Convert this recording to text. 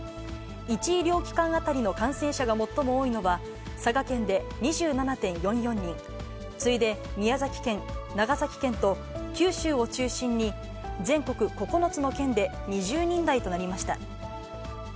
１医療機関当たりの感染者が最も多いのは、佐賀県で２７．４４人、次いで宮崎県、長崎県と、九州を中心に全国９つの県で２０人台となりました。